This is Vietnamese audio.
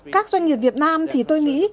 các doanh nghiệp việt nam thì tôi nghĩ